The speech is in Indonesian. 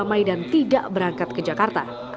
damaikan tidak berangkat ke jakarta